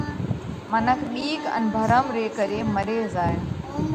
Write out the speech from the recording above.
منک ٻِيڪ ان ڀرم ري ڪري مري زائه۔